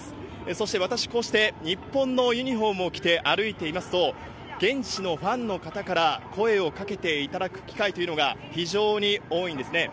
そして私、こうして日本のユニホームを着て歩いていますと、現地のファンの方から声をかけていただく機会というのが非常に多いんですね。